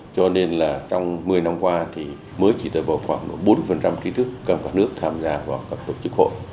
cho nên là trong một mươi năm qua thì mới chỉ tới vào khoảng bốn trí thức các quả nước tham gia vào các tổ chức hội